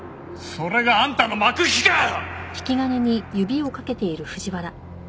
それがあんたの幕引きかよ！